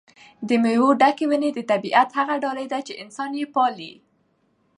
د مېوو ډکې ونې د طبیعت هغه ډالۍ ده چې انسان یې پالي.